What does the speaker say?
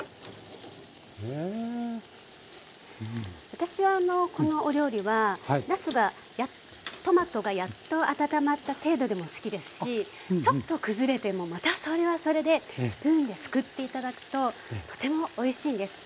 私はこのお料理はトマトがやっと温まった程度でも好きですしちょっと崩れてもまたそれはそれでスプーンですくって頂くととてもおいしいんです。